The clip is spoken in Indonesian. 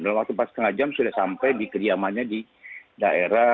dalam waktu empat lima jam sudah sampai di kediamannya di daerah